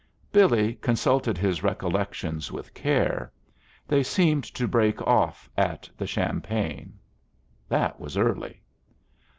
Billy consulted his recollections with care: they seemed to break off at the champagne. That was early.